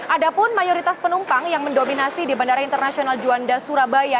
ada pun mayoritas penumpang yang mendominasi di bandara internasional juanda surabaya